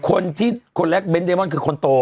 คนที่คนแรกเบ้นเดมอนคือคนโต